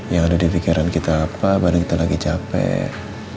yang ada di pikiran kita apa badan kita lagi capek